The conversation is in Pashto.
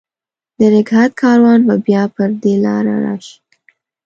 د نګهت کاروان به بیا پر دې لار، راشي